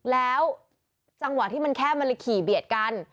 แล้วจังหวะที่มันแคบมันเลยขี่เบียดกัน